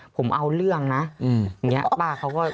ผมเอาเรื่องนะป้าเขาก็